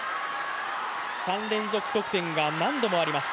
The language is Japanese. ３連続得点が何度もあります。